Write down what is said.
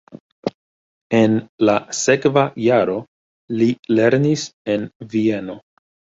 En la sekva jaro li lernis en Vieno.